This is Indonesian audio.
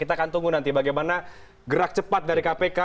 kita akan tunggu nanti bagaimana gerak cepat dari kpk